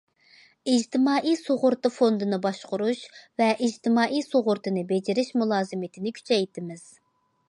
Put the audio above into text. ئىجتىمائىي سۇغۇرتا فوندىنى باشقۇرۇش ۋە ئىجتىمائىي سۇغۇرتىنى بېجىرىش مۇلازىمىتىنى كۈچەيتىمىز.